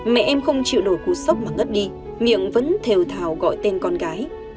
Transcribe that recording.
mẹ em không chịu đổi cú sốc mà ngất đi miệng vẫn thèo thào gọi tên con gái